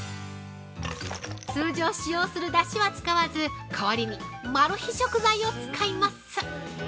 通常、使用するだしは使わず代わりにマル秘食材を使います。